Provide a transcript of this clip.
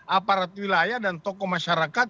aparat wilayah dan tokoh masyarakat